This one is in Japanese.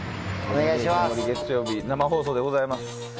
「午前０時の森」月曜日生放送でございます。